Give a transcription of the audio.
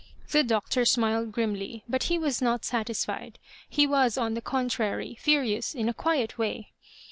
The IXxitor smiled grimly, but he waa not satisfied. He was, on the contrary, furious in a quiet way.